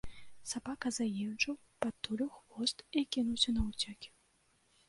Сабака заенчыў, падтуліў хвост і кінуўся наўцёкі.